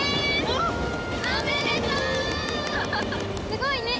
すごいね！